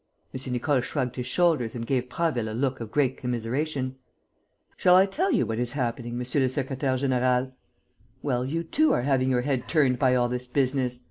M. Nicole shrugged his shoulders and gave Prasville a look of great commiseration: "Shall I tell you what is happening, monsieur le secrétaire; général? Well, you too are having your head turned by all this business.